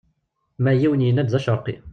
Ma yiwen yenna-d d acerqi.